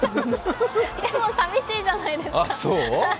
でも寂しいじゃないですか。